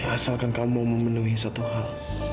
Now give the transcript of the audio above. asalkan kamu mau memenuhi satu hal